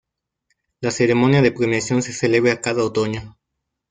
La ceremonia de premiación se celebra cada otoño.